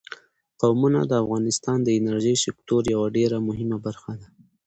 قومونه د افغانستان د انرژۍ سکتور یوه ډېره مهمه برخه ده.